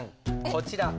こちら。